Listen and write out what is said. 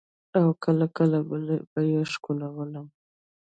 او کله کله به يې ښکلولم.